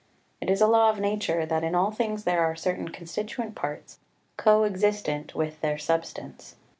It is a law of Nature that in all things there are certain constituent parts, coexistent with their substance.